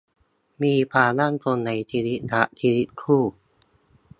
มีความมั่นคงในชีวิตรักชีวิตคู่